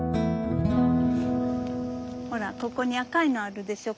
ほらここに赤いのあるでしょ